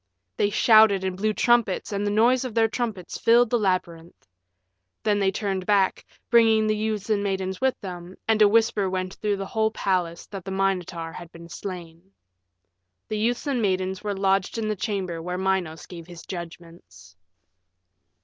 They shouted and blew trumpets and the noise of their trumpets filled the labyrinth. Then they turned back, bringing the youths and maidens with them, and a whisper went through the whole palace that the Minotaur had been slain. The youths and maidens were lodged in the chamber where Minos gave his judgments.